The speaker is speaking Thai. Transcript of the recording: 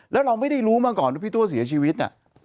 แล้วเราไม่ได้รู้มาก่อนว่าพี่ตัวเสียชีวิต